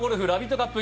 カップ」